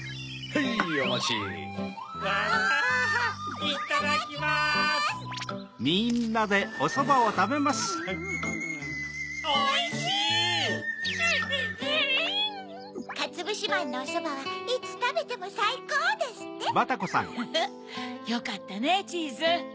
フフっよかったねチーズ。